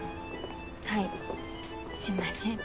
はいすいません。